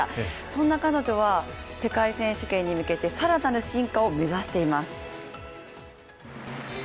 そんな彼女は世界選手権に向けて更なる進化を目指しています。